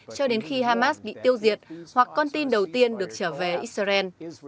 cho đến khi hamas bị tiêu diệt hoặc con tin đầu tiên được trở về israel